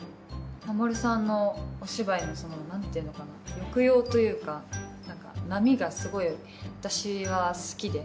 守さんのお芝居の何ていうのかな抑揚というか波がすごい私は好きで。